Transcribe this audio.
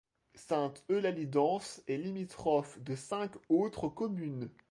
Sainte-Eulalie-d'Ans est limitrophe de cinq autres communes.